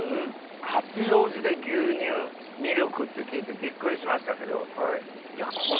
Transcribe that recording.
八王子で牛乳ミルクって聞いてビックリしましたけど。